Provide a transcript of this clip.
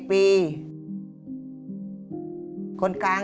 ควรภาคเข้าประหลาด